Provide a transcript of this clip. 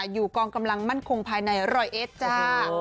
อยู่กองกำลังมั่นคงภายในร้อยเอ็ดจ้า